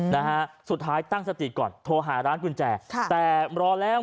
นะฮะสุดท้ายตั้งสติก่อนโทรหาร้านกุญแจค่ะแต่รอแล้ว